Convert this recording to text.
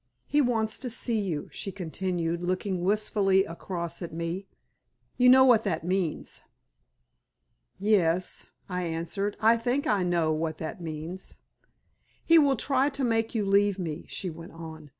"He wants to see you," she continued, looking wistfully across at me. "You know what that means?" "Yes," I answered. "I think I know what that means." "He will try to make you leave me," she went on.